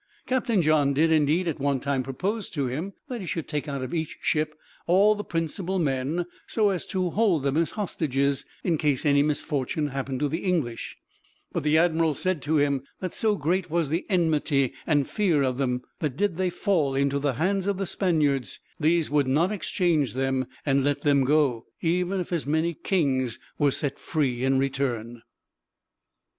Captain John did, indeed, at one time propose to him that he should take out of each ship all the principal men, so as to hold them as hostages, in case of any misfortune happening to the English; but the admiral said to him, that so great was the enmity and fear of them, that did they fall into the hands of the Spaniards, these would not exchange them and let them go, even if as many kings were set free in return.